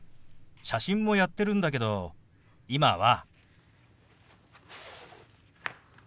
写真もやってるんだけど今は。